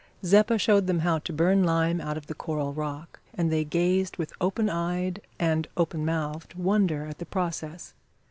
Zeppa showed them how to burn lime out of the coral rock, and they gazed with open eyed and open mouthed wonder at the process.